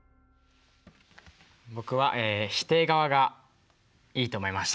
僕は否定側がいいと思いました。